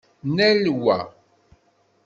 Nnal wa!